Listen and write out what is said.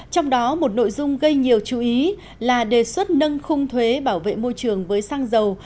trong đó một nội dung gây nhiều chú ý là đề xuất nâng khung thuế bảo vệ môi trường với xăng dầu